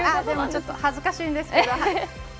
でもちょっと恥ずかしいんですけど。